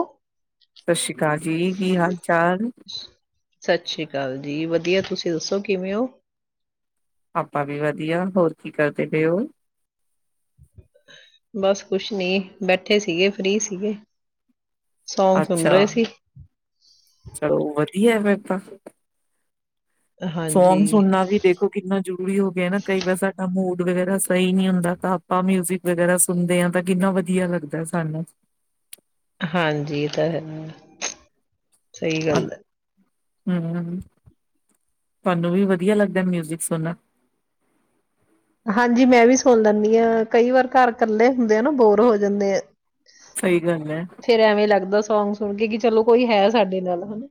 ਉਹ ਸਤਿ ਸ੍ਰੀ ਅਕਾਲ ਜੀ ਕੀ ਹਾਲ ਚਾਲ ਸਤਿ ਸ੍ਰੀ ਅਕਾਲ ਜੀ ਵਧੀਆ ਤੁਸੀਂ ਦੱਸੋ ਕਿਵੇਂ ਹੋ ਆਪਾਂ ਵੀ ਵਧੀਆ ਹੋਰ ਕੀ ਕਰਦੇ ਰਏ ਹੋ ਬਸ ਕੁਛ ਨੀ ਬੈਠੇ ਸੀਗੇ ਫ੍ਰਰੀ ਸੀਗੇ ਸੌਂਗ ਸੁਣ ਅੱਛਾ ਰਹੇ ਸੀ। ਚਲੋ ਵਧੀਆ ਫੇ ਹਾਂ ਹਾਂਜੀ ਸੌਂਗ ਸੁਣਨਾ ਵੀ ਦੇਖੋ ਕਿੰਨਾ ਜ਼ਰੂਰੀ ਹੋ ਗਿਆ ਨਾ ਕਈ ਵਾਰ ਸਾਡਾ ਮਾਹਲ ਵਗੈਰਾ ਸਹੀ ਨੀ ਹੁੰਦਾ ਤਾਂ ਆਪਾਂ ਮਿਊਜਿਕ ਵਗੈਰਾ ਸੁਣਦੇ ਹਾਂ ਤਾਂ ਕਿੰਨਾ ਵਧੀਆ ਲੱਗਦਾ ਸਾਨੂੰ ਹਾਂਜੀ ਇਹ ਤਾਂ ਹੈਗਾ ਸਹੀ ਗੱਲ ਹੈ ਹਮ ਤੁਹਾਨੂੰ ਵੀ ਵਧੀਆ ਲੱਗਦਾ ਮਿਊਜਿਕ ਸੁਣਨਾ ਹਾਂਜੀ ਮੈਂ ਵੀ ਸੁਣ ਲੈਂਦੀ ਹਾਂ ਕਈ ਵਾਰ ਘਰ ਇਕੱਲੇ ਹੁੰਦੇ ਆ ਨਾ ਬੋਰ ਹੋ ਜਾਂਦੇ ਆ ਸਹੀ ਗੱਲ ਹੈ, ਫੇਰ ਐਵੇਂ ਲੱਗਦਾ ਸੌਂਗ ਸੁਣ ਕੇ ਕਿ ਚਲੋ ਕੋਈ ਹੈ ਸਾਡੇ ਨਾਲ ਹਨਾ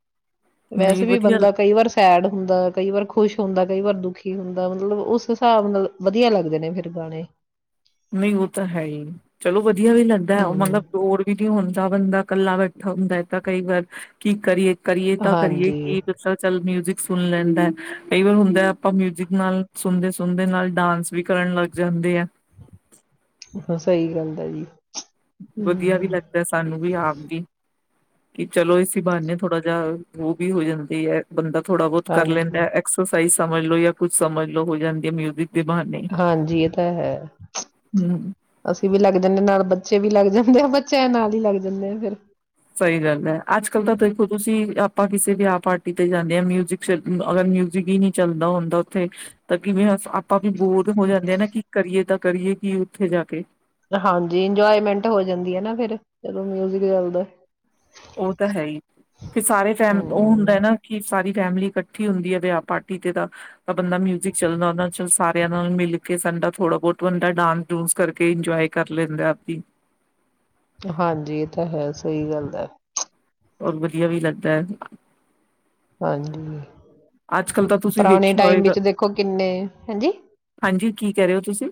ਨਹੀਂ ਵੈਸੇ ਵੀ ਵਧੀਆ ਬੰਦਾ ਕਈ ਵਾਰ ਸੈਡ ਹੁੰਦਾ ਕਈ ਵਾਰ ਖੁਸ਼ ਹੁੰਦਾ ਕਈ ਵਾਰ ਦੁਖੀ ਹੁੰਦਾ ਮਤਲਬ ਉਸ ਹਿਸਾਬ ਨਾਲ ਵਧੀਆ ਲੱਗਦੇ ਨੇ ਫਿਰ ਗਾਣੇ ਨਹੀਂ ਉਹ ਤਾਂ ਹੈ ਹੀ ਚਲੋ ਵਧੀਆ ਵੀ ਲੱਗਦਾ ਹਮ ਮਤਲਬ ਹੋਰ ਵੀ ਨ ਹ ਦਾ ਬੰਦਾ ਇਕੱਲਾ ਬੈਠਾ ਹੁੰਦਾ ਹੈ ਤਾਂ ਕਈ ਵਾਰ ਕੀ ਕਰੀਏ ਕਰੀਏ ਤਾਂ ਕਰੀਏ ਹਾਂਜੀ ਕਿ ਦ ਚੱਲ ਮਿਊਜ਼ਿਕ ਸੁਣ ਲੈਂਦਾ ਹੈ ਕਈ ਵਾਰ ਹੁੰਦਾ ਆਪਾਂ ਮਿਊਜਿਕ ਨਾਲ ਸੁਣਦੇ ਸੁਣਦੇ ਨਾਲ ਡਾਂਸ ਵੀ ਕਰਨ ਲੱਗ ਜਾਂਦੇ ਆ ਹ ਸਹੀ ਗੱਲ ਹੈ ਜੀ ਵਧੀਆ ਵੀ ਹਮ ਲੱਗਦਾ ਸਾਨੂੰ ਵੀ ਆਪ ਵੀ ਕਿ ਚਲੋ ਇਸ ਬਹਾਨੇ ਥੋੜਾ ਜਿਹਾ ਉਹ ਵੀ ਹੋ ਜਾਂਦੀ ਹੈ ਬੰਦਾ ਥੋੜਾ ਬਹੁਤ ਕਰ ਹਾਂਜੀ ਲੈਂਦਾ ਐਕਸਰਸਾਈਜ਼ ਸਮਝ ਲੋੋ ਜਾਂ ਕੁੱਛ ਸਮਝ ਲੋ ਹੋ ਜਾਂਦੀ ਹੈ ਮਿਊਜ਼ਿਕ ਹਾਂਜੀ, ਇਹ ਤਾਂ ਹੈ ਹਮ ਅਸੀਂ ਵੀ ਲੱਗ ਜਾਂਦੇ ਨਾਲ ਬ ਬੱਚੇ ਵੀ ਲੱਗ ਜਾਂਦੇ ਆ ਬੱਚਿਆਂ ਨਾਲ ਹੀ ਲੱਗ ਜਾਂਦੇ ਆ ਫਿਰ। ਸਹੀ ਗੱਲ ਹੈ, ਅੱਜ-ਕੱਲ ਤਾਂ ਦੇਖੋ ਤੁਸੀਂ ਆਪਾਂ ਕਿਸੇ ਵੀਆਹ ਪਾਰਟੀ ਤੇ ਜਾਂਦੇ ਆ ਮਿਊਜਿਕ ਅਗਰ ਮਿਊਜਿਕ ਹੀ ਨੀ ਚੱਲਦਾ ਹੁੰਦਾ ਉਥੇ ਤਾਂ ਕਿਵੇਂ ਆਪਾਂ ਵੀ ਬੋਰ ਹੋ ਜਾਂਦੇ ਹਾਨਾ ਕਿ ਕਰੀਏ ਤਾਂ ਕਰੀਏ ਕੀ ਉੱਥੇ ਜਾ ਕੇ? ਹਾਂਜੀ, ਇੰਜੋਏਮੈਂਟ ਹੋ ਜਾਂਦੀ ਹੈਨਾ ਫਿਰ ਜਦੋ ਮਿਊਜਿਕ ਚਲਦਾ। ਉਹ ਤਾਂ ਹੈ ਹੀ, ਫਿਰ ਸਾਰੇ ਫੈਮ ਉਹ ਹੁੰਦਾ ਹਮ ਨਾ ਕਿ ਸਾਰੀ ਫੈਮਿਲੀ ਇਕੱਠੀ ਹੁੰਦੀ ਹੈ ਵਿਆਹ, ਪਾਰਟੀ ਤੇ ਤਾਂ ਬੰਦਾ ਮਿਊਜਿਕ ਚੱਲਦਾ ਉਹ ਚ ਸਾਰਿਆਂ ਨਾਲ ਮਿਲ ਬੰਦਾ ਥੋੜਾ ਬਹੁਤ ਬੰਦਾ ਡਾਂਸ-ਡੂੰਸ ਕਰਕੇ ਇੰਜੋਏ ਕਰ ਲੈਂਦਾ ਆਪਹੀ। ਹਾਂਜੀ, ਇਹ ਤਾਂ ਹੈ ਸਹੀ ਗੱਲ ਹੈ। ਹੋਰ ਵਧੀਆ ਵੀ ਲੱਗਦਾ ਹੈ। ਹਾਂਜੀ, ਅੱਜ ਕੱਲ੍ਹ ਤਾਂ ਤੁਸੀਂ ਪੁਰਾਣੇ ਵੇਖਿਆ ਟਾਈਮ ਹੋਏਗਾ ਵਿੱਚ ਦੇਖੋ ਕਿੰਨੇ, ਹਾਂਜੀ। ਹਾਂਜੀ ਕੀ ਕਹਿ ਰਹੇ ਹੋ ਤੁਸੀਂ?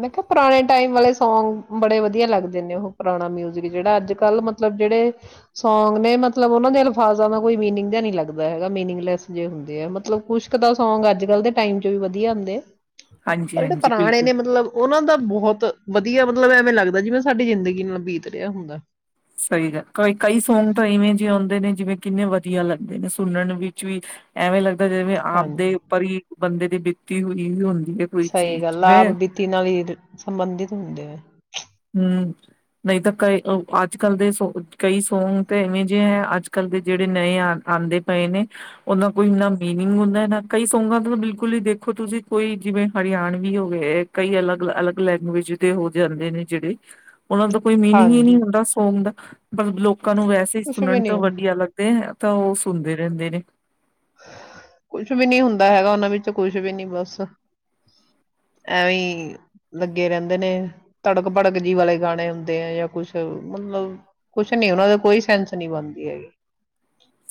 ਮੈਂ ਕਿਹਾ, ਪੁਰਾਣੇ ਟਾਈਮ ਵਾਲੇ ਸੌਗ ਬੜੇ ਵਧੀਆ ਲੱਗਦੇ ਨੇ ਉਹ ਪੁਰਾਣਾ ਮਿਊਜਿਕ ਜਿਹੜਾ ਅੱਜ-ਕਲ ਮਤਲਬ ਜਿਹੜੇ ਸੌਗ ਨੇ ਮਤਲਬ ਉਹਨਾ ਦਾ ਅਲਫਾਜ਼ਾਂ ਦਾ ਕੋਈ ਮੀਨਿੰਗ ਜਾ ਨੀ ਲੱਗਦਾ ਹੈ ਮੀਨਿੰਗੈਸ ਜੇਹੁੰ ਆ ਮਤਲਬ ਕੁਛ ਅਦਾ ਸੌਗ ਅੱਜ-ਕਲ ਦੇ ਟਾਈਮ ਚ ਵੀ ਵਧੀਆ ਹੁੰਦੇ। ਹਾਂਜੀ ਪਰ ਜਿਹੜੇ ਹਾਂਜੀ ਪੁਰਾਣੇ ਬਿਲਕੁਲ ਨੇ ਮਤਲਬ ਉਹਨਾਂ ਦਾ ਬਹੁਤ ਵਧੀਆ ਮਤਲਬ ਐਵੇਂ ਲੱਗਦਾ ਜਿਵੇਂ ਸਾਡੀ ਜ਼ਿੰਦਗੀ ਨਾਲ ਬੀਤ ਰਿਹਾ ਹੁੰਦਾ। ਸਹੀ ਗੱਲ, ਕਈ ਸੌਂਗ ਤਾਂ ਇਵੇਂ ਜਿਹੇ ਆਉਂਦੇ ਨੇ ਜਿਵੇਂ ਕਿੰਨੇ ਵਧੀਆ ਲੱਗਦੇ ਨੇ ਸੁਣਨ ਵਿੱਚ ਵੀ ਐਵੇਂ ਲੱਗ ਜਿਵੇਂ ਆਪ ਦੇ ਹਾਂਜੀ ਉੱਪਰ ਹੀ ਬੰਦੇ ਦੀ ਬੀਤੀ ਹੋਈ ਹੁੰਦ ਸਹੀ ਗੱਲ ਹੈ ਆਪ ਬੀਤੀ ਨਾਲ ਹੀ ਸੰਬੰਧਿਤ ਹੁੰਦੇਆ। [unintelligible] ਹੂੰ, ਨਹੀਂ ਤਾਂ ਕਈ ਅੱਜ-ਕੱਲ ਦੇ ਸੋ ਕਈ ਸੌਂਗ ਤਾਂ ਇਵੇਂ ਜਿਹੇ ਹੈ ਅੱਜ-ਕੱਲ ਦੇ ਜਿਹੜੇ ਨਵੇ ਆ ਆੱਦੇ ਪਏ ਨੇ ਉਹਨਾਂ ਕੋਈ ਇਨਾ ਮੀਨਿੰਗ ਹੁੰਦਾ ਨਾ ਕਈ ਸੌਂਗਾਂ ਦਾ ਬਿਲਕੁਲ ਹੀ ਦੇਖੋ ਤੁਸੀਂ ਕੋਈ ਜਿਵੇਂ ਹਰਿਆਣਵੀ ਹੋਵੇ ਹਕਈ ਅਲੱਗ-ਅਲੱਗ ਲੈਂਗੁਏਜ ਦੇ ਹੋ ਜਾਂਦੇ ਨੇ। ਜਿਹੜੇ ਉਹਨਾਂ ਦਾ ਕੋਈ ਮੀਨਿੰਗ ਹੀ ਨਹੀਂ ਹਾਂਜੀ ਹੁੰਦਾ ਸੌਂਗ ਦਾ। ਪਰ ਲੋਕ ਲੋਕਾਂ ਨੂੰ ਵੈਸੇ ਹੀ ਕੁਛ ਵੀ ਸੁਣਨ ਨੀ ਤੋਂ ਹੁੰਦਾ ਵਧੀਆ ਲੱਗਦੇ ਏ। ਤਾਂ ਉਹ ਸੁਣਦੇ ਰਹਿੰਦੇ ਨੇ। ਕੁਛ ਵੀ ਨੀ ਹੁੰਦਾ ਹੈਗਾ ਉਹਨਾਂ ਵਿੱਚ ਕੁਛ ਵੀ ਨੀ ਬਸ ਐਵੇਂ ਲੱਗੇ ਰਹਿੰਦੇ ਨੇ, ਧੜਕ-ਭੜਕ ਜੀ ਵਾਲੇ ਗਾਣੇ ਹੁੰਦੇ ਆ ਜਾਂ ਕੁਛ ਮਤਲਬ ਕੁਛ ਨੀ ਉਹਨਾ ਦੇ ਕੋਈ ਸੈਂਸ ਨੀ ਬਣਦੀ ਹੈਗੀ।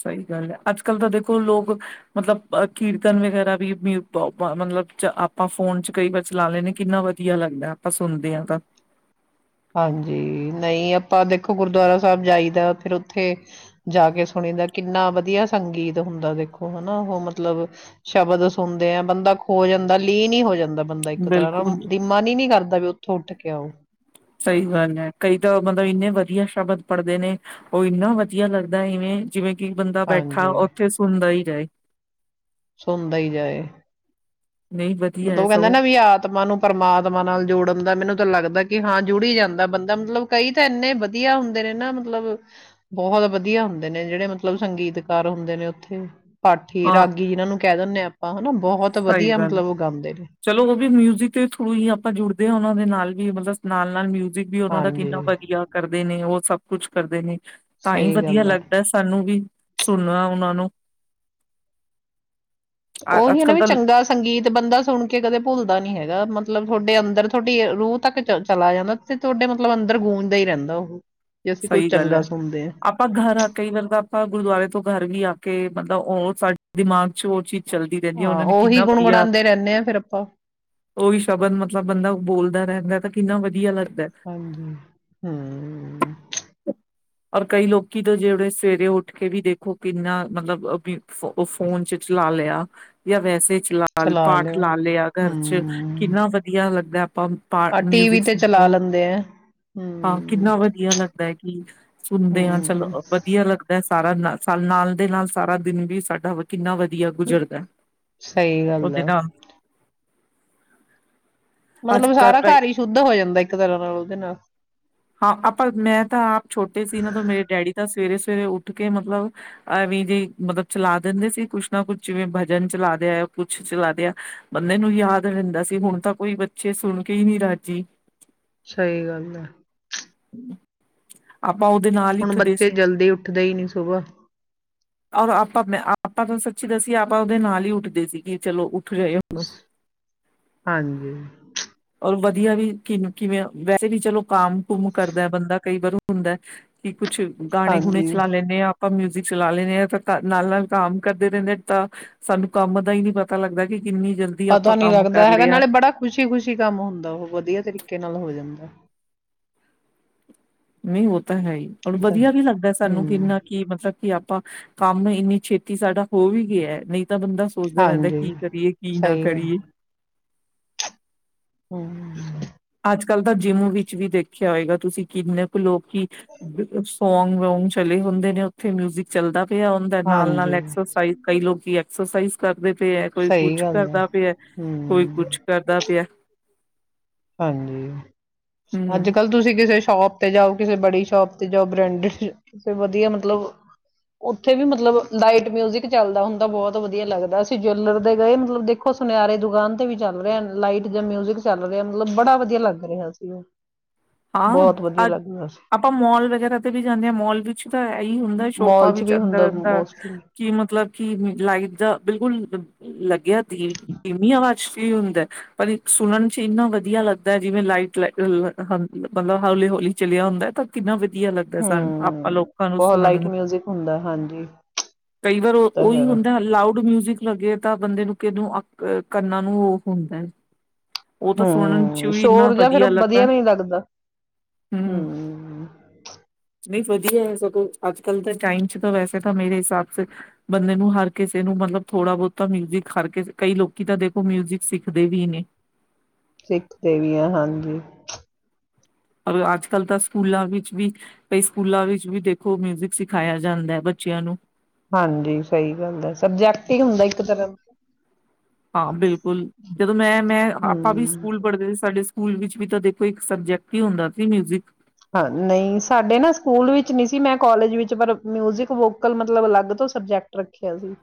ਸਹੀ ਗੱਲ ਹੈ ਅੱਜ ਕੱਲ੍ਹ ਤਾਂ ਦੇਖੋ ਲੋਕ ਮਤਲਬ ਕੀਰਤਨ ਵਗੈਰਾ ਵੀ ਮਤਲਬ ਆਪਾਂ ਫੋਨ ਚ ਕਈ ਵਾਰ ਚਲਾ ਲੈਂਦੇ ਕਿੰਨਾ ਵਧੀਆ ਲੱਗਦਾ ਆਪਾਂ ਸੁਣਦੇ ਹਾਂ ਤਾਂ। ਹਾਂਜੀ, ਨਹੀਂ ਆਪਾਂ ਦੇਖੋ ਗੁਰਦੁਆਰਾ ਸਾਹਿਬ ਜਾਈਦਾ ਫਿਰ ਉੱਥੇ ਜਾ ਕੇ ਸੁਣੀ ਦਾ ਕਿੰਨਾ ਵਧੀਆ ਸੰਗੀਤ ਹੁੰਦਾ ਦੇਖੋ ਹੈਨਾ ਉਹ ਮਤਲਬ ਸ਼ਬਦ ਸੁਣਦੇ ਆ ਬੰਦਾ ਖੋ ਜਾਂਦਾ ਲੀਨ ਹੀ ਹੋ ਜਾਂਦਾ। ਬੰਦਾ ਇੱਕ ਤਰ੍ਹਾਂ ਬਿਲਕੁਲ ਨਾ ਮਨ ਹੀ ਨੀ ਕਰਦਾ ਵੀ ਉੱਥੋਂ, ਉੱਠ ਕੇ ਆਓ। ਸਹੀ ਗੱਲ ਹੈ ਕਈ ਤਾਂ ਮਤਲਬ ਇੰਨੇ ਵਧੀਆ ਸ਼ਬਦ ਪੜ੍ਹਦੇ ਨੇ ਉਹ ਇੰਨਾ ਵਧੀਆ ਲੱਗਦਾ ਇਵੇਂ ਜਿਵੇਂ ਕੀ ਬੰਦਾ ਬੈਠਾ ਹਾਂਜੀ ਉੱਥੇ ਸੁਣਦਾ ਹੀ ਜਾਏ। ਸੁਣਦਾ ਹੀ ਜਾਏ। ਨਹੀਂ ਵਧੀਆ ਮਤਲਬ ਹੈ ਉਹ ਕਹਿੰਦੇ ਸਗੋਂ ਨਾ ਵੀ ਆਤਮਾ ਨੂੰ ਪ੍ਰਮਾਤਮਾ ਨਾਲ ਜੋੜਨ ਦਾ ਮੈਨੂੰ ਤਾਂ ਲੱਗਦਾ ਕਿ ਹਾਂ ਜੁੜੀ ਜਾਂਦਾ ਬੰਦਾ ਮਤਲਬ ਕਈ ਤਾਂ ਇੰਨੇ ਵਧੀਆ ਹੁੰਦੇ ਨੇ ਨਾ ਮਤਲਬ ਬਹੁਤ ਵਧੀਆ ਹੁੰਦੇ ਨੇ ਜਿਹੜੇ ਮਤਲਬ ਸੰਗੀਤਕਾਰ ਹੁੰਦੇ ਨੇ ਉੱਥੇ ਪਾਠੀ ਹਾਂ ਰਾਗੀ ਜਿਨਾਂ ਨੂੰ ਕਹਿ ਦਿੰਦੇ ਹਾਂ ਆਪਾਂ ਹਨਾ ਬਹੁਤ ਤੇ ਸਹੀ ਵਧੀਆ ਗੱਲ ਮਤਲਬ ਉਹ ਗਾਉਂਦੇ ਨੇ ਚਲੋ ਉਹ ਵੀ ਮਿਊਜ਼ਿਕ ਦੇ ਥਰੂ ਹੀ ਆਪਾਂ ਜੁੜਦੇ ਹਾਂ ਉਹਨਾਂ ਦੇ ਨਾਲ ਵੀ ਮਤਲਬ ਨਾਲ ਨਾਲ ਮਿਊ ਬੀਬੀ ਉਹਨਾਂ ਦਾ ਹਾਂਜੀ ਕਿੰਨਾ ਵਧੀਆ ਕਰਦੇ ਨੇ ਉਹ ਸਭ ਕੁੱਛ ਕਰਦੇ ਨੇ, ਤਾਂ ਹੀ ਸਹੀ ਵਧੀਆ ਗੱਲ ਹੈ ਲੱਗਦਾ ਸਾਨੂੰ ਵੀ, ਸੁਣਨਾ ਉਹਨਾਂ ਨੂੰ ਅ ਅਬ ਕਿਨਾ ਵੀ ਚੰਗਾ ਸੰਗੀਤ ਬੰਦਾ ਸੁਣ ਕੇ ਕਦੇ ਭੁੱਲਦਾ ਨੀ ਹੈਗਾ ਮਤ ਮਤਲਬ ਤੁਹਾਡੇ ਅੰਦਰ ਤੁਹਾਡੀ ਰੂਹ ਤੱਕ ਚ ਚਲਾ ਜਾਂਦਾ, ਤੇ ਤੁਹਾਡੇ ਮਤਲਬ ਅੰਦਰ ਗੂੰਜਦਾ ਹੀ ਰਹਿੰਦਾ ਉਹ, ਜੇ ਅਸੀਂ ਕੁੱਝ ਸਹੀ ਗੱਲ ਚੰਗਾ ਹੈ, ਸੁਣਦੇ ਹਾਂ ਆਪਾਂ ਗਰ ਆ ਕਈ ਵਾਰ ਤਾਂ ਆਪਾਂ ਗੁਰਦੁਆਰੇ ਤੋਂ ਗਰ ਵੀ ਆ ਕੇ, ਮਤਲਬ ਉਹ ਸਾਡੇ ਦਿਮਾਗ ਚ ਉਹ ਚੀਜ਼ ਚੱਲਦੀ ਰਹਿੰਦੀ ਹੈ ਹਾਂ ਉਹਨਾਂ ਨੇ ਉਹੀ ਕਿੰਨਾ ਵਧੀਆ, ਗੁਣਗੁਣਾਉਂਦੇ ਰਹਿੰਦੇ ਹਾਂ ਫਿਰ ਆਪਾਂ ਉਹੀ ਸ਼ਬਦ ਮਤਲਬ ਬੰਦਾ ਬੋਲਦਾ ਰਹਿੰਦਾ ਤਾਂ ਕਿੰਨਾ ਵਧੀਆ ਲੱਗਦਾ ਹਾਂਜੀ, ਹਮ। ਔਰ ਕਈ ਲੋਕੀ ਤੋਂ ਜਿਹੜੇ ਸਵੇਰੇ ਉੱਠ ਕੇ ਵੀ ਦੇਖੋ ਕਿੰਨਾ ਮਤਲਬ ਵੀ, ਉਹ ਫੋਨ ਚ ਚਲਾ ਲਿਆ ਜਾਂ ਵੈਸੇ ਚਲਾ ਪਾਠ ਲਾ ਲਿਆ ਘਰ ਚ, ਹੂੰ, ਕਿੰਨਾ ਵਧੀਆ ਲੱਗਾ ਆ ਟੀ ਵੀ ਤੇ ਚਲਾ ਲੈਂਦੇ ਆ ਹਾਂ ਹੂੰ, ਕਿੰਨਾ ਵਧੀਆ ਲੱਗਦਾ ਕਿ, ਸੁਣਦੇ ਹਾਂ ਹੂੰ, ਚਲੋ, ਵਧੀਆ ਲੱਗਦਾ ਸਾਰਾ ਨਾਲ ਦੇ ਨਾਲ ਸਾਰਾ ਦਿਨ ਵੀ ਸਾਡਾ ਕਿੰਨਾ ਵਧੀਆ ਗੁਜ਼ਰਦਾ। ਸਹੀ ਗੱਲ ਉਹਦੇ ਆ। ਨਾਲ ਅੱਜ ਮਤਲਬ ਕੱਲ ਸਾਰਾ ਘਰ ਹੀ ਸ਼ੁੱਧ ਹੋ ਜਾਂਦਾ ਇੱਕ ਤਰ੍ਹਾਂ ਨਾਲ ਉਹਦੇ ਨਾਲ ਹਾਂ ਆਪਾਂ ਮੈਂ ਤਾਂ ਆਪ ਛੋਟੇ ਸੀ ਨਾ ਤੋਂ ਮੇਰੇ ਡੈਡੀ ਦਾ ਸਵੇਰੇ ਸਵੇਰੇ ਉੱਠ ਕੇ ਮਤਲਬ, ਐਵੇਂ ਜੇ, ਮਤਲਬ ਚਲਾ ਦਿੰਦੇ ਸੀ ਕੁਛ ਨਾ ਕੁਛ, ਜਿਵੇਂ ਭਜਨ ਚਲਾ ਰਿਆ ਕੁਛ ਚਲਾ ਰਿਆ ਬੰਦੇ ਨੂੰ ਯਾਦ ਰਹਿੰਦਾ ਸੀ ਹੁਣ ਤਾਂ ਕੋਈ ਬੱਚੇ ਸੁਣ ਕੇ ਹੀ ਨੀ ਰਾਜੀ, ਸਹੀ ਗੱਲ, ਹੈ, ਹਮ [unintelligible] ਆਪਾਂ ਉਹਦੇ ਨਾਲ ਹੀ ਹੁਣ ਉਠਦੇ ਬੱਚੇ ਸੀ, ਜਲਦੀ ਉੱਠਦੇ ਹੀ ਨਹੀਂ ਸੁਬਾਹ, ਔਰ ਆਪਾਂ ਮੈ ਆਪਾਂ ਤੋਂ ਜਦੋ ਸੀ ਆਪਾਂ ਉਹਦੇ ਨਾਲ ਹੀ ਉੱਠਦੇ ਸੀਗੇ ਚਲੋ ਉ ਜਾ ਹਾਂਜੀ। ਰ ਬ [inaudible] ਵ ਵੀ ਕਿਨੂੰ ਕਿਵੇਂ ਵੈਸੇ ਵੀ ਚਲੋ, ਕਾਮ ਕੁੁੰਮ ਕਰਦਾ ਬੰਦਾ ਕਈ ਵਾਰ ਹੁੰਦਾ ਠੀਕ ਕੁਛ ਗਾਣੇ ਗੁਣੇ ਹਾਂਜੀ। ਚਲਾ ਲੈਂਦੇ ਹਾਂ ਆਪਾਂ ਮਿਊਜਿਕ ਚਲਾ ਲੈਂਦੇ ਹਾਂ ਤਾਂ ਨਾਲ ਨਾਲ ਕੰਮ ਕਰਦੇ ਰਹਿੰਦੇ ਤਾਂ ਸਾਨੂੰ ਕੰਮ ਦਾ ਹੀ ਨਹੀਂ ਪਤਾ ਲੱਗਦਾ ਕਿ ਕਿੰਨੀ ਜਲਦੀ ਪਤਾ ਆਪਾਂ ਨੀ ਕੰਮ ਕਰ ਲੱਗਦਾ ਹੈਗਾ ਲਿਆ ਨਾਲੇ ਬੜਾ ਖੁਸ਼ੀ ਖੁਸ਼ੀ ਕੰਮ ਹੁੰਦਾ ਉਹ ਵਧੀਆ ਤਰੀਕੇ ਨਾਲ ਹੋ ਜਾਂਦਾ ਨਹੀਂ ਉਹ ਤਾਂ ਹੈ ਹੀ ਔਰ ਇਹ ਤਾਂ ਵਧੀਆ ਵੀ ਲੱਗਦਾ ਸਾਨੂੰ ਕਿ ਹੂੰ, ਇੰਨਾ ਕਿ ਮਤਲਬ ਕਿ ਆਪਾਂ ਕੰਮ ਇੰਨੀ ਛੇਤੀ ਸਾਡਾ ਹੋ ਵੀ ਗਿਆ ਨਹੀਂ ਤਾਂ ਬੰਦਾ ਸੋਚਦਾ ਰਹਿੰਦਾ ਹਾਂਜੀ, ਕੀ ਕਰੀਏ ਕੀ ਨਾ ਸਹੀ ਗੱਲ ਕਰੀਏ ਹਮ ਅੱਜ ਕੱਲ ਤਾਂ ਜਿੰਮ ਵਿੱਚ ਵੀ ਦੇਖਿਆ ਹੋਏਗਾ ਤੁਸੀਂ ਕਿੰਨੇ ਲੋਕੀ ਸੌਂਗ ਵੋਂਂਗ ਚਲੇ ਹੁੰਦੇ ਨੇ ਉੱਥੇ ਮਿਊਜਿਕ ਚੱਲਦਾ ਵਧੀਆ ਹੁੰਦਾ ਨਾਲ ਨਾਲ ਹਾਂਜੀ। ਐਕਸਰਸਾਈਜ਼ ਕਈ ਲੋਕ ਐਕਸਰਸਾਈਜ਼ ਕਰ ਕਰਦੇ ਪਏ ਹੈ ਕੋਈ ਸਹੀ ਕੁਛ ਗੱਲ ਹੈ ਕਰਦਾ ਪਿਆ ਕੋਈ ਹਮ ਕੁਛ ਕਰਦਾ ਪਿਆ ਹਾਂਜੀ ਅੱਜ ਹਮ ਕੱਲ ਤੁਸੀਂ ਕਿਸੇ ਸ਼ੋਪ ਤੇ ਜਾਓ ਕਿਸੇ ਬੜੀ ਸ਼ੋਪ ਤੇ ਜਾਓ ਬ੍ਰੈਂਡਡ ਵਧੀਆ ਮਤਲਬ ਉੱਥੇ ਵੀ ਮਤਲਬ ਲਾਈਟ ਮਿਊਜਿਕ ਚੱਲਦਾ ਹੁੰਦਾ ਬਹੁਤ ਵਧੀਆ ਲੱਗਦਾ ਅਸੀਂ ਜੈਵੈਲਰ ਦੇ ਗਏ ਮਤਲਬ ਦੇਖੋ ਸੁਨਿਆਰੇ ਦੁਕਾਨ ਤੇ ਵੀ ਚੱਲ ਰਿਹਾ ਲਾਈਟ ਜਾਂ ਮਿਊਜਿਕ ਚੱਲ ਰਿ ਮਤਲਬ ਬੜਾ ਵਧੀਆ ਲੱਗ ਰਿਹਾ ਸੀ ਉਹ ਹਾਂ ਬਹੁਤ ਵਧੀਆ ਅ ਲੱਗ ਰਿਹਾ ਸੀ ਆਪਾਂ ਮੋਲ ਵਗੈਰਾ ਤੇ ਵੀ ਜਾਂਦੇ ਹਾਂ ਮੋਲ ਵਿੱਚ ਤਾਂ ਇਹੀ ਹੁੰਦਾ ਸ਼ੋਪਾਂ ਮੋਲ ਚ ਵਿੱਚ ਵੀ ਹੁੰਦਾ ਅੰਦਰ ਅੰਦਰ ਮੋਸਟਲੀ ਕਿ ਮਤਲਬ ਕਿ ਲਾਈਟ ਦਾ ਬਿਲਕੁਲ ਲੈ ਗਿਆ ਦੀ ਕਿਵੀ ਆਵਾਜ਼ ਹੁੰਦਾ ਪਰ ਸੁਣਨ ਚ ਇੰਨਾ ਵਧੀਆ ਲੱਗਦਾ ਜਿਵੇਂ ਲਾਈਟ ਹ ਮਤਲਬ ਹੌਲੀ ਹੌਲੀ ਚਲਿਆ ਹੁੰਦਾ ਹੈ ਤਾਂ ਕਿੰਨਾ ਵ ਵਧੀਆ ਲੱਗਦਾ ਸਨ ਆਪਾਂ ਹਮ ਲੋਕਾਂ ਨੂੰ ਬਹੁਤ ਸੁਣਨ ਲਾਈਟ ਨੂੰ ਮਿਊਜਿਕ ਹੁੰਦਾ ਹਾਂਜੀ ਕਈ ਵਾਰ ਉਹ ਤਾਂ ਉਹੀ ਹੈ ਹੁੰਦਾ ਲਾਊਡ ਮਿਊਜਿਕ ਲੱਗੇ ਤਾਂ ਬੰਦੇ ਨੂੰ ਕਿਨੂੰ ਅ ਕਰਨਾ ਨੂੰ ਉਹ ਹੁੰਦਾ ਹੈ ਉਹ ਤਾਂ ਸੁਣਨ ਚ ਵੀ ਇੰਨਾ ਵਧੀਆ ਲੱਗਾ ਦਾ ਹਮ ਨਹੀਂ ਵਧੀਆ ਸਗੋਂ ਅੱਜ ਕੱਲ ਤਾਂ ਟਾਈਮ ਚ ਤਾਂ ਵੈਸੇ ਤਾਂ ਮੇਰੇ ਹਿਸਾਬ ਬੰਦੇ ਨੂੰ ਹਰ ਕਿਸੇ ਨੂੰ ਮਤਲਬ ਥੋੜਾ ਬਹੁਤ ਮਿਊਜਿਕ ਹਰ ਕਿਸ ਕਈ ਲੋਕੀ ਤਾਂ ਦੇਖੋ ਮਿਊਜਿਕ ਸਿੱਖਦੇ ਵੀ ਨੇ ਸਿੱਖ ਦੇਵੀਆਂ ਹਾਂਜੀ ਅੱਜ ਕੱਲ੍ਹ ਤਾਂ ਸਕੂਲਾਂ ਵਿੱਚ ਵੀ ਭ ਸਕੂਲਾਂ ਵਿੱਚ ਵੀ ਦੇਖੋ ਮਿਊਜਿਕ ਸਿਖਾਇਆ ਜਾਂਦਾ ਹੈ ਬੱਚਿਆਂ ਨੂੰ ਹਾਂਜੀ ਸਹੀ ਗੱਲ ਹੈ ਸਬਜੈਕਟ ਹੀ ਹੁੰਦਾ ਇੱਕ ਤਰ੍ਹਾਂ ਦਾ ਹਾਂ ਬਿਲਕੁਲ ਜਦੋਂ ਮੈਂ ਮੈਂ ਆਪਾਂ ਵੀ ਹਮ ਸਕੂਲ ਪੜ੍ਹਦੇ ਸੀ ਸਾਡੇ ਸਕੂਲ ਵਿੱਚ ਵੀ ਤਾਂ ਦੇਖੋ ਇੱਕ ਸਬਜੈਕਟ ਹੀ ਹੁੰਦਾ ਸੀ ਮਿਊਜਿਕ ਹਾਂ ਨਹੀਂ ਸਾਡੇ ਨਾ ਸਕੂਲ ਵਿੱਚ ਨਹੀਂ ਸੀ ਮੈਂ ਕੋਾਲਜ ਵਿੱਚ ਪਰ ਮਿਊਜਿਕ ਵੋਕਲ ਮਤਲਬ ਅਲੱਗ ਤੋਂ ਸਬਜੈਕਟ ਰੱਖਿਆ ਸੀ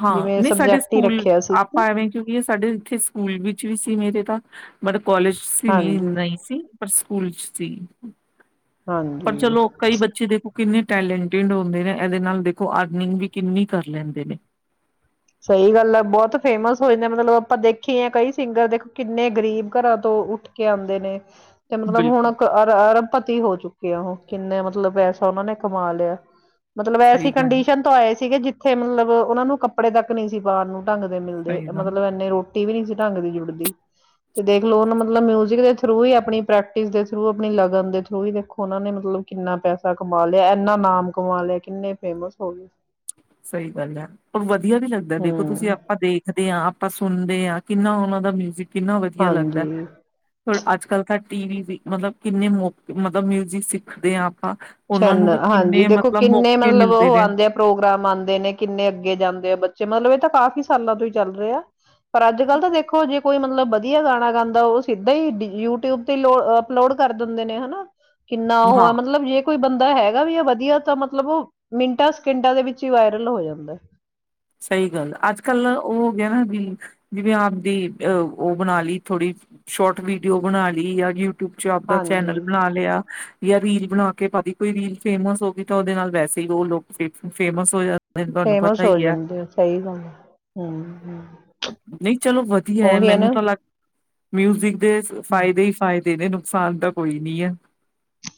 ਹਾਂ ਜਿਵੇਂ ਨਹੀਂ ਸਾਡੇ ਸਬਜੈਕਟ ਹੀ ਸਕੂਲ ਰੱਖਿਆ ਸੀ ਇੱਕ ਆਪਾਂ ਐਵੇਂ ਕਿਉਂਕਿ ਸਾਡੇ ਇੱਥੇ ਸਕੂਲ ਵਿੱਚ ਵੀ ਸੀ ਮੇਰੇ ਤਾਂ ਬੜ ਕਾਲਜ ਸੀ ਨ ਹਾਂਜੀ ਨਹੀਂ ਸੀ ਪਰ ਪਲਚ ਸੀ ਪਰ ਹਾਂਜੀ ਚਲੋ ਕਈ ਬੱਚੇ ਦੇਖ ਕਿੰਨੇ ਟੈਲੈਂਟਡ ਹੁੰਦੇ ਨੇ ਇਹਦੇ ਨਾਲ ਦੇਖੋ ਅਰਨਿੰਗ ਵੀ ਕਿੰਨੀ ਕਰ ਲੈਂਦੇ ਨੇ ਸਹੀ ਗੱਲ ਹੈ ਬਹੁਤ ਫੇਮਸ ਹੋ ਜਾਂਦਾ ਮਤਲਬ ਆਪਾਂ ਦੇਖੀ ਆ ਕਈ ਸਿੰਗਰ ਦੇਖੋ ਕਿੰਨੇ ਗ਼ਰੀਬ ਘਰਾਂ ਤੋਂ ਉੱਠ ਕੇ ਆਉਂਦੇ ਨੇ ਤੇ ਮਤਲਬ ਬਿਲਕੁਲ ਹੁਣ ਅਰਭਪਤੀ ਹੋ ਚੁੱਕੀ ਉਹ ਕਿੰਨੇ ਮਤਲਬ ਪੈਸਾ ਉਹਨਾਂ ਨੇ ਕਮਾ ਲਿਆ ਮਤਲਬ ਐਸੀ ਸਹੀ ਗੱਲ ਕੰਡੀਸ਼ਨ ਤੋਂ ਆਏ ਸੀ ਸੀਗੇ ਜਿੱਥੇ ਮਤਲਬ ਉਹਨਾਂ ਨੂੰ ਕੱ ਕੱਪੜੇ ਤਕ ਨ ਸੀ ਬਾਹਰ ਨੂੰ ੰਗ ਦੇ ਮਿਲਦੇ ਸਹੀ ਗੱਲ ਮਤਲਬ ਇੰਨੇ ਰੋਟੀ ਟੀ ਵੀ ਨਹੀਂ ਸੀ ਢੰਗ ਦੀ ਜੁੜਦੀ ਤੇ ਦੇਖਲਓ ਉਹ ਮਤਲਬ ਮਿਊਜਿਕ ਦੇ ਥਰੂ ਹੀ ਆਪਣੀ ਪ੍ਰੈਕਟਿਸ ਦੇ ਥਰੂ ਆਪਣੀ ਲਗਨ ਦੇ ਥਰੂ ਹੀ ਦੇਖੋ ਉਹਨਾਂ ਨੇ ਮਤਲਬ ਕਿੰਨਾ ਪੈਸਾ ਕਮਾ ਲਿਆ ਇਨਾ ਨਾਮ ਕਮਾ ਲਿਆ ਕਿੰਨੇ ਫੇਮ ਹੋ ਗਏ ਸਹੀ ਗੱਲ ਹੈ ਉਹ ਵਧੀਆ ਵਧੀਆ ਵੀ ਲੱਗਦਾ ਦੇੇਖੋ ਤੁਸੀਂ ਹਮ ਆਪਾਂ ਦੇਖਦੇ ਹਾਂ ਆਪਾਂ ਸੁਣਦੇ ਹਾਂ ਕਿੰਨਾ ਉਹਨਾਂ ਦਾ ਮਿਊਜਿਕ ਕਿੰਨਾ ਵਧੀਆ ਲੱਗਦਾ ਹਾਂਜੀ ਪਰ ਅੱਜ ਕੱਲ ਤਾਂ ਟੀ ਵੀ ਮਤਲਬ ਕਿੰਨੇ ਮੌਕੇ ਮਤਲਬ ਮਿਊਜਿਕ ਸਿੱਖਦੇ ਆ ਆਪ ਨ ਹਾਂਜੀ ਦੇਖੋ ਕਿੰਨੇ ਮੌਕੇ ਮਤਲਬ ਮਿਲਦੇ ਉਹ ਨੇ ਆਉਂਦੇ ਆ ਪ੍ਰੋਗਰਾਮ ਆਂ ਦੇ ਨੇ ਕਿੰਨੇ ਅੱਗੇ ਜਾਂਦੇ ਆ ਬੱਚੇ ਮਤਲਬ ਇਹ ਤਾਂ ਕਾਫ਼ੀ ਸਾਲਾਂ ਤੋਂ ਹੀ ਚੱਲ ਰਹੇ ਆ ਪਰ ਅੱਜ ਕੱਲ੍ਹ ਤਾਂ ਦੇਖੋ ਜੇ ਕੋਈ ਮਤਲਬ ਵਧੀਆ ਗਾਣਾ ਗਾਂਦਾ ਉਹ ਸਿੱਧਾ ਹੀ ਯੂਟਿਊਬ ਤੇ ਲੋ ਅਪਲੋਡ ਕਰ ਦਿੰਦੇ ਨੇ ਹਨਾ ਕਿੰਨਾ ਉਹ ਹਾਂ ਹੈ ਮਤਲਬ ਜੇ ਕੋਈ ਬੰਦਾ ਹੈਗਾ ਵੀ ਆ ਵਧੀਆ ਤਾਂ ਮਤਲਬ ਉਹ ਮਿੰਟਾਂ ਸਕਿੰਟਾਂ ਦੇ ਵਿੱਚ ਹੀ ਵਾਇਰਲ ਹੋ ਜਾਂਦਾ ਸਹੀ ਗੱਲ ਅੱਜ ਕੱਲ ਉਹ ਹੋ ਗਿਆ ਨਾ ਵੀ ਜਿਵੇਂ ਆਪਦੀਹ ਉਹ ਬਣਾ ਲਈ ਥੋੜੀ ਸ਼ੋਰਟ ਵੀਡੀਓ ਬਣਾ ਲਈ ਜਾਂ ਯੂਊ ਿਊਬ ਚ ਆਪਦਾ ਚੈਨਲ ਹਾਂਜੀ ਬਣਾ ਲਿਆ ਜਾਂ ਰੀਲ ਬਣਾ ਕੇ ਪ ਕੋਈ ਰੀਲ ਫੇਮਸ ਹੋ ਗਈ ਤਾਂ ਉਹਦੇ ਨਾਲ ਵੈਸੇ ਹੀ ਉਹ ਲੋਕ ਫੇ ਫੇਮਸ ਤੁਹਾਨੂੰ ਪਤਾ ਫੇਮਸ ਹੋ ਹੀ ਹੈ ਜਾਂਦੇ ਸਹੀ ਗੱਲ ਹਮ ਨਹੀਂ ਉਹੀ ਆ ਨਾ ਮਿਊਜ਼ਿਕ ਦੇ ਫਾਇਦੇ ਹੀ ਫਾਇਦੇ ਨੇ ਕਿਸਾਨ ਤਾਂ ਕੋਈ ਨੀ ਹੈ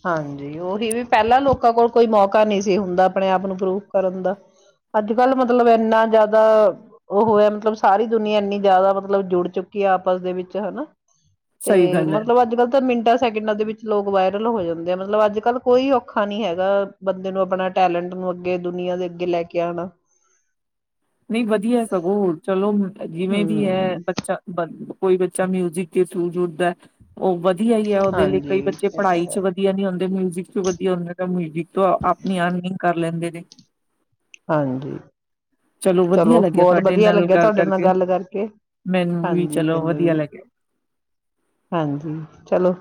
ਹਾਂਜੀ ਉਹੀ ਵੀ ਪਹਿਲਾਂ ਲੋਕਾਂ ਕੋਲ ਕੋਈ ਮੌਕਾ ਨਹੀਂ ਸੀ ਹੁੰਦਾ ਆਪਣੇ ਆਪ ਨੂੰ ਪ੍ਰੂਵ ਕਰਨ ਦਾ ਅੱਜ ਕੱਲ ਮਤਲਬ ਇੰਨਾ ਜ਼ਿਆਦਾ ਉਹ ਹੈ ਮਤਲਬ ਸਾਰੀ ਦੁਨੀੀਆਂ ਇੰਨੀ ਜ਼ਿਆਦਾ ਮਤਲਬ ਜੁੜ ਚੁੱਕੀ ਹੈ ਆਪਸ ਦੇ ਵਿੱਚ ਹਨਾ ਤੇ ਸਹੀ ਗੱਲ ਹੈ। ਮਤਲਬ ਅੱਜ ਕੱਲ ਤਾਂ ਮਿੰਟਾਂ ਸੈਕਿੰਡਾਂ ਦੇ ਵਿੱਚ ਲੋਕ ਵਏ ਹੋ ਜਾਂਦੇ ਆ, ਮਤਲਬ ਅੱਜ ਕੱਲ ਕੋਈ ਔਖਾ ਨੀ ਹੈਗਾ, ਬੰਦੇ ਨੂੰ ਆਪਣਾ ਟੈਲੈਂਟ ਨੂੰ ਅੱਗੇ ਦੁਨੀਆਂ ਦੇ ਅੱਗੇ ਲੈ ਕੇ ਆਣਾ ਨਹੀਂ ਵਧੀਆ ਸਗੋਂ, ਹੋਰ ਚਲੋ ਜਿਵੇਂ ਵੀ ਹੈ, ਹਮ ਬੱਚਾ ਬ ਕੋਈ ਬੱਚਾ ਮਿਊਜਿਕ ਦੇ ਥਰੂ ਜੁੜਦਾ ਉਹ ਵਧੀਆ ਹੀ ਆ, ਉਹਦੇ ਲਈ ਹਾਂਜੀ ਕਈ ਬੱਚੇ ਇਹ ਤਾਂ ਪੜ੍ਹਾਈ ਹੈ ਚ ਵਧੀਆ ਨੀ ਹੁੰਦੇ ਵਧੀਆ ਹੁੰ ਮਿਊਜ਼ਿਕ ਤੋਂ ਆਪਣੀ ਅਰਲਇੰਗ ਕਰ ਲੈਂਦੇ ਨੇ। ਹਾਂਜੀ। ਵਧੀਆ ਚਲੋ ਲੱਗਿਆ ਬਹੁਤ ਤੁਹਾਡੇ ਵਧੀਆ ਨਾਲ ਲੱਗਿਆ, ਗੱਲ ਤੁਹਾਡੇ ਨਾਲ ਕਰਕੇ ਗੱਲ ਕਰਕੇ ਮੈਨੂੰ ਵੀ ਹਾਂਜੀ ਚਲੋ ਮੈਨੂੰ ਵਧੀਆ ਵੀ, ਲੱਗਿਆ ਹਾਂਜੀ ਚਲੋ।